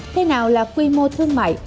thế nào là quy mô thương mại